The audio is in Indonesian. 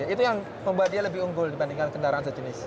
itu yang membuat dia lebih unggul dibandingkan kendaraan sejenis